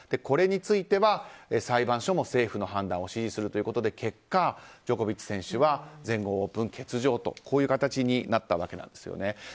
これについては裁判所も政府の判断を支持するということで結果、ジョコビッチ選手は全豪オープン欠場とこういう形になったわけなんです。